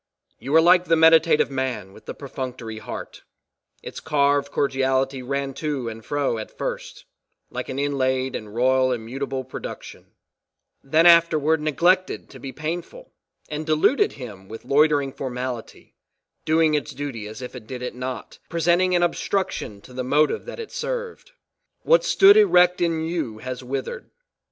You are like the meditative man with the perfunctory heart; its carved cordiality ran to and fro at first, like an inlaid and royl immutable production; then afterward "neglected to be painful" and "deluded him with loitering formality, doing its duty as if it did it not," presenting an obstruction to the motive that it served. What stood erect in you, has withered.